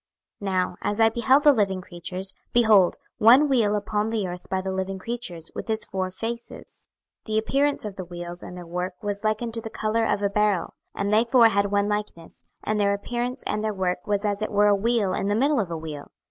26:001:015 Now as I beheld the living creatures, behold one wheel upon the earth by the living creatures, with his four faces. 26:001:016 The appearance of the wheels and their work was like unto the colour of a beryl: and they four had one likeness: and their appearance and their work was as it were a wheel in the middle of a wheel.